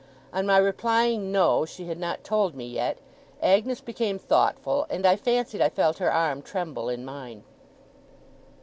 On my replying no, she had not told me yet, Agnes became thoughtful, and I fancied I felt her arm tremble in mine.